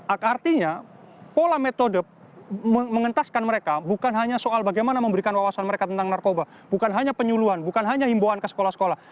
artinya pola metode mengentaskan mereka bukan hanya soal bagaimana memberikan wawasan mereka tentang narkoba bukan hanya penyuluhan bukan hanya himbauan ke sekolah sekolah